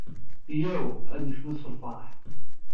Yyaw, ad necnut s lferḥ.